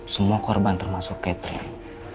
semua korban termasuk catherine